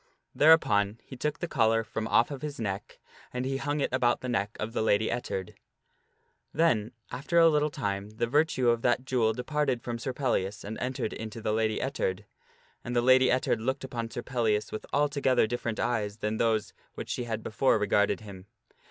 Thereupon he took the _. Sir Pellias lets collar from off of his neck, and he hung it about the neck of the Lady Ettard the Lady Ettard. wear the collar. Then, after a little time the virtue of that jewel departed from Sir Pellias and entered into the Lady Ettard, and the Lady Ettard looked upon Sir Pellias with altogether different eyes than those with which she had before regarded him.